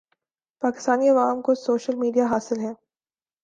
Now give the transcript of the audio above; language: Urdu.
پاکستانی عوام کو سوشل میڈیا حاصل ہے